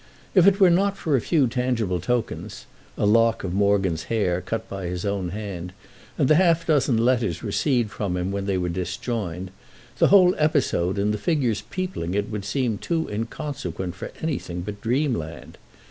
If it were not for a few tangible tokens—a lock of Morgan's hair cut by his own hand, and the half dozen letters received from him when they were disjoined—the whole episode and the figures peopling it would seem too inconsequent for anything but dreamland.